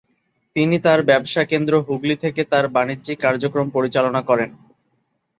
তিনি তাঁর মূল ব্যবসাকেন্দ্র হুগলি থেকে তাঁর বাণিজ্যিক কার্যক্রম পরিচালনা করেন।